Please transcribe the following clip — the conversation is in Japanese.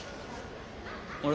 あれ？